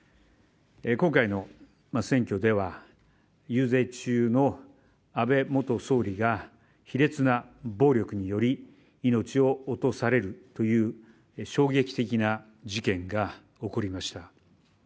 今回の選挙では、遊説中の安倍元総理が卑劣な暴力により命を落とされるという衝撃的な事件が起こりました。